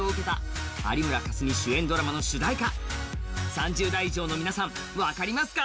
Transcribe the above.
３０代以上の皆さん、分かりますか？